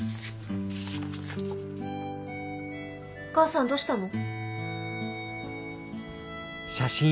お母さんどうしたの？